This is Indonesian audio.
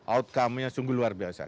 outcome nya sungguh luar biasa